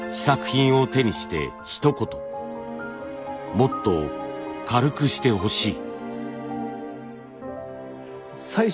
「もっと軽くしてほしい」。